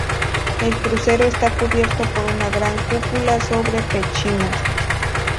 El crucero está cubierto por una gran cúpula sobre pechinas.